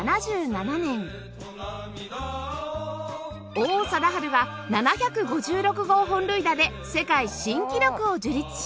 王貞治は７５６号本塁打で世界新記録を樹立し